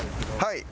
はい。